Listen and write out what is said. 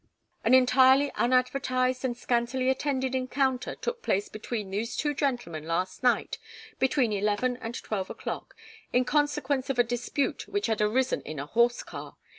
An entirety unadvertised and scantily attended encounter took place between these two gentlemen last night between eleven and twelve o'clock, in consequence of a dispute which had arisen in a horse car.